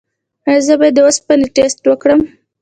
ایا زه باید د اوسپنې ټسټ وکړم؟